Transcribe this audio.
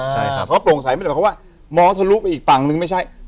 โฮงสายไม่ได้บอกว่ามองทะลุไปอีกต่างนึงไม่ใช่